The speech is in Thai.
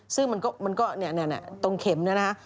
ซึ่งมันก็เนี่ยตรงเข็มเนี่ยนะคะ